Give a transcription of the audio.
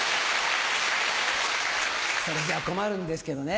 それじゃあ困るんですけどね